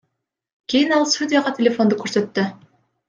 Кийин ал судьяга телефонду көрсөттү.